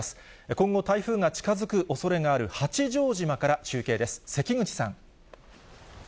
今後、台風が近づくおそれがある八丈島から中継です、関口さん。